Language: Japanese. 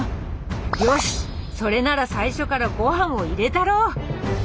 よしっそれなら最初からごはんを入れたろう！